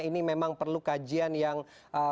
ini memang perlu kajian yang begitu cermat